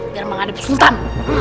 biar menghadapi sultan